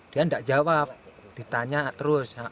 dia tidak jawab ditanya terus